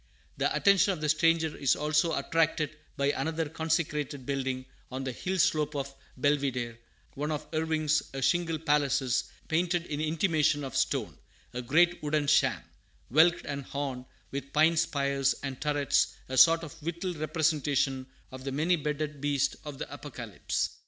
The attention of the stranger is also attracted by another consecrated building on the hill slope of Belvidere, one of Irving's a "shingle palaces," painted in imitation of stone, a great wooden sham, "whelked and horned" with pine spires and turrets, a sort of whittled representation of the many beaded beast of the Apocalypse.